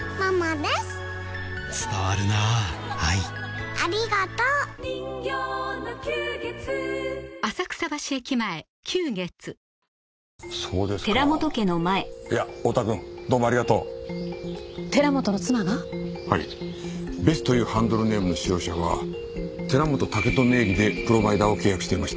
ベスというハンドルネームの使用者は寺本武人名義でプロバイダーを契約していました。